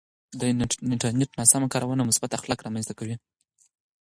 د انټرنیټ سمه کارونه مثبت اخلاق رامنځته کوي.